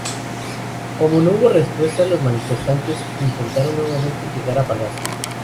Como no hubo respuesta, los manifestantes intentaron nuevamente llegar a Palacio.